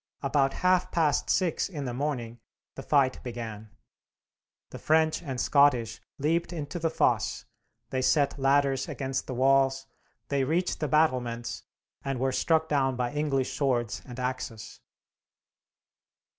About half past six in the morning the fight began. The French and Scottish leaped into the fosse, they set ladders against the walls, they reached the battlements, and were struck down by English swords and axes.